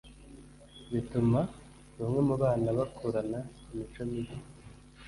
bituma bamwe mu bana bakurana imico mibi